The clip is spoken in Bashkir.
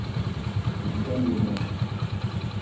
Кипкән еләк.